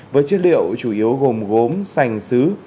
với chất liệu chủ yếu gồm gốm sành xứ